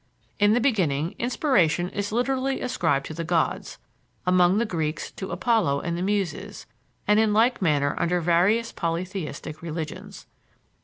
In the beginning, inspiration is literally ascribed to the gods among the Greeks to Apollo and the Muses, and in like manner under various polytheistic religions.